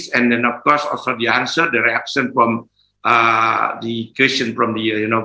dan tentu saja juga jawabannya reaksi dari penonton